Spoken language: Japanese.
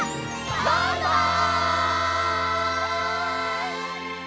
バイバイ！